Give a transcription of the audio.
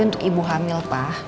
untuk ibu hamil pak